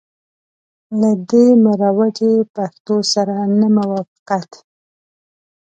له دې مروجي پښتو سره نه موافقت.